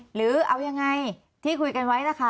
หรือเอายังไงที่คุยกันไว้นะคะ